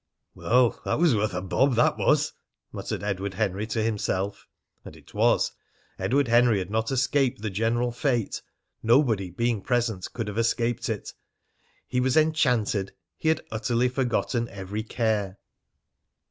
"Well, that was worth a bob, that was!" muttered Edward Henry to himself. And it was. Edward Henry had not escaped the general fate. Nobody, being present, could have escaped it. He was enchanted. He had utterly forgotten every care.